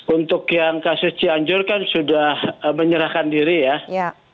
untuk yang kasus cianjur kan sudah menyerahkan diri ya